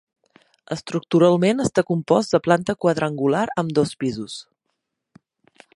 Estructuralment està compost de planta quadrangular amb dos pisos.